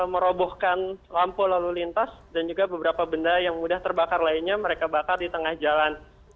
merobohkan lampu lalu lintas dan juga beberapa benda yang mudah terbakar lainnya mereka bakar di tengah jalan